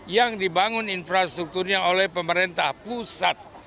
yang dibangun infrastrukturnya oleh pemerintah pusat